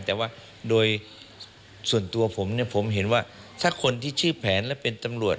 แต่ว่าโดยส่วนตัวผมเนี่ยผมเห็นว่าถ้าคนที่ชื่อแผนและเป็นตำรวจ